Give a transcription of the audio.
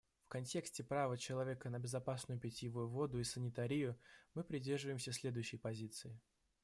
В контексте права человека на безопасную питьевую воду и санитарию мы придерживаемся следующей позиции.